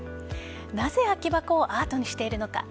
なぜ空き箱をアートにしているのか。